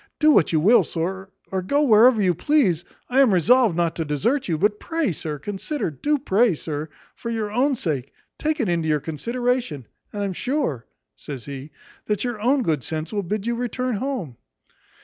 Do what you will, sir, or go wherever you please, I am resolved not to desert you. But pray, sir, consider do pray, sir, for your own sake, take it into your consideration; and I'm sure," says he, "that your own good sense will bid you return home."